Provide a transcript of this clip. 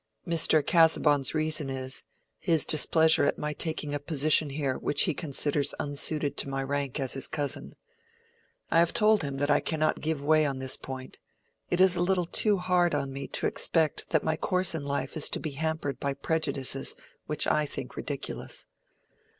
"Mr. Casaubon's reason is, his displeasure at my taking a position here which he considers unsuited to my rank as his cousin. I have told him that I cannot give way on this point. It is a little too hard on me to expect that my course in life is to be hampered by prejudices which I think ridiculous.